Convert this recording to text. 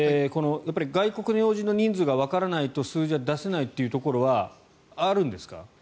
外国の要人の人数がわからないと数字は出せないというところはあるんですか？